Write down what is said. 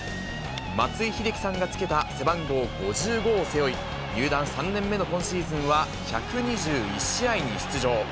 松井秀喜さんがつけた背番号５５を背負い、入団３年目の今シーズンは１２１試合に出場。